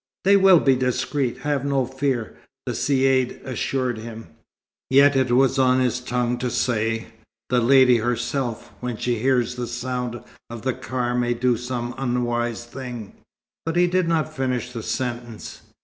"They will be discreet. Have no fear," the Caïd assured him. Yet it was on his tongue to say; "the lady herself, when she hears the sound of the car, may do some unwise thing." But he did not finish the sentence.